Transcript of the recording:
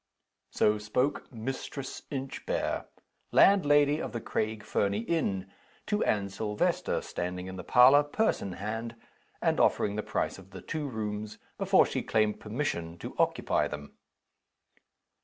So spoke "Mistress Inchbare," landlady of the Craig Fernie Inn, to Anne Silvester, standing in the parlor, purse in hand, and offering the price of the two rooms before she claimed permission to occupy them.